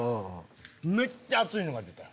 めっちゃ熱いのが出た。